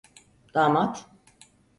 Damat…